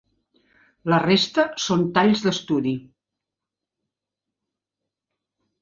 La resta són talls d'estudi.